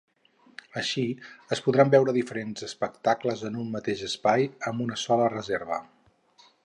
Així, es podran veure diferents espectacles en un mateix espai amb una sola reserva.